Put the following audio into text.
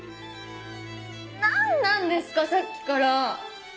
何なんですかさっきから！